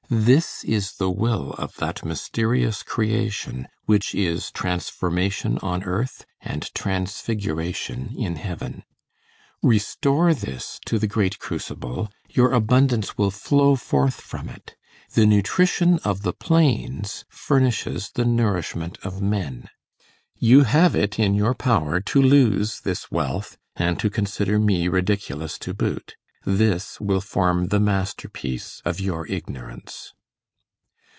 This is the will of that mysterious creation which is transformation on earth and transfiguration in heaven. Restore this to the great crucible; your abundance will flow forth from it. The nutrition of the plains furnishes the nourishment of men. You have it in your power to lose this wealth, and to consider me ridiculous to boot. This will form the master piece of your ignorance.